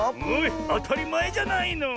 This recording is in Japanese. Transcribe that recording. あたりまえじゃないの。